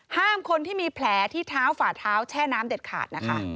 ห้ามคนที่มีแผลที่เท้าฝ่าเท้าแช่น้ำเด็ดขาดนะคะ